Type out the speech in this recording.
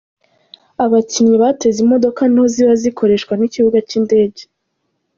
Abakinnyi bateze imodoka nto ziba zikoreshwa n'ikibuga cy'indege.